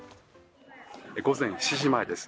午前７時前です。